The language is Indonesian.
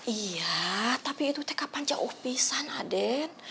iya tapi itu teka panjang ofisan aden